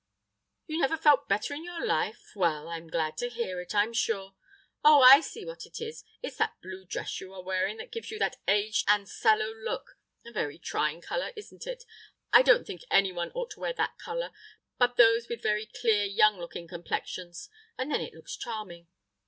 "You never felt better in your life? Well, I'm glad to hear it, I'm sure. Oh, I see what it is, it's that blue dress you are wearing that gives you that aged and sallow look—a very trying colour, isn't it? I don't think anyone ought to wear that colour, but those with very clear young looking complexions, and then it looks charming.